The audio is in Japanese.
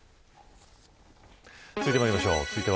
続いてまいりましょう。